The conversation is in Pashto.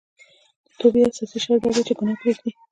د توبې اساسي شرط دا دی چې ګناه پريږدي